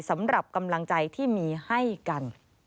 สำหรับกำลังใจที่มีให้กัน